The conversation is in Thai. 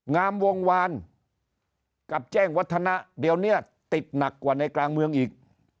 งามวงวานกับแจ้งวัฒนะเดี๋ยวนี้ติดหนักกว่าในกลางเมืองอีก